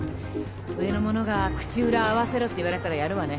上の者が口裏合わせろって言われたらやるわね。